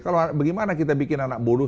kalau bagaimana kita bikin anak buruh